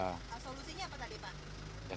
nah sekarang solusinya apa tadi pak